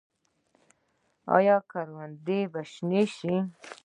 آیا کروندې به شنې شي؟